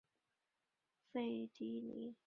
费蒂尼。